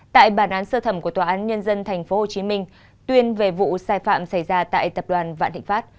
tại bản án sơ thẩm của tòa án nhân dân tp hcm tuyên về vụ sai phạm xảy ra tại tập đoàn vạn thịnh pháp